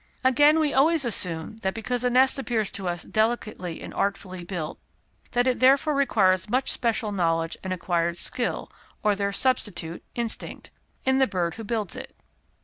Again, we always assume that because a nest appears to us delicately and artfully built, that it therefore requires much special knowledge and acquired skill (or their substitute, instinct) in the bird who builds it.